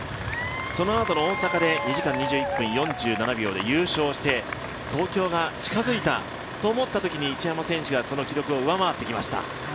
そのあとの大阪で２時間２１分４７秒で優勝をして、東京が近づいたと思ったときに、一山選手がその記録を上回ってきました。